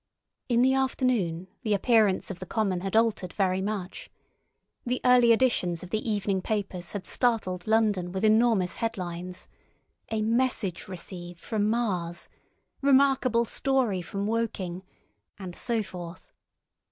In the afternoon the appearance of the common had altered very much. The early editions of the evening papers had startled London with enormous headlines: "A MESSAGE RECEIVED FROM MARS." "REMARKABLE STORY FROM WOKING," and so forth.